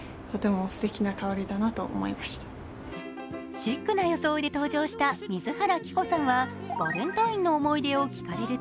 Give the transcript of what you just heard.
シックな装いで登場した水原希子さんはバレンタインの思い出を聞かれると